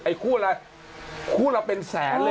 ไอ้คู่อะไรคู่เราเป็นแสนเลยเหรอ